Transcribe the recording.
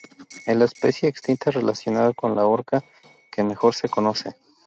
Es la especie extinta relacionada con la orca que mejor se conoce.